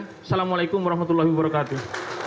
assalamualaikum warahmatullahi wabarakatuh